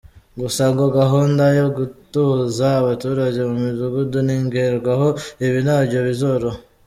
Gusa ngo gahunda yo gutuza abaturage mu midugudu nigerwaho, ibi nabyo bizoroha.